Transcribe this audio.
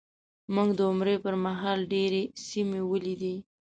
موږ د عمرې په مهال ډېرې سیمې ولیدې.